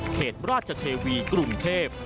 เขตราชเทวีกรุงเทพ